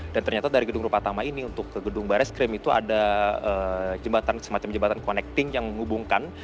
dan ternyata dari gedung rupa tama ini untuk ke gedung baras krim itu ada jembatan semacam jembatan connecting yang mengubah